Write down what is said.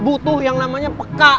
butuh yang namanya peka